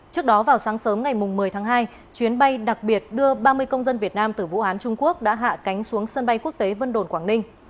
trước đó vào sáng sớm ngày một mươi tháng hai chuyến bay đặc biệt đưa ba mươi công dân việt nam từ vũ hán trung quốc đã hạ cánh xuống sân bay quốc tế vân đồn quảng ninh